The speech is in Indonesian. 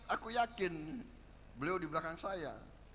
aku yakin beliau di belakang saya